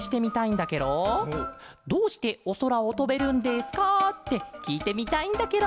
「どうしておそらをとべるんですか？」ってきいてみたいんだケロ。